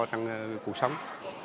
trong cuộc sống